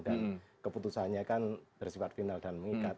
dan keputusannya kan bersifat final dan mengikat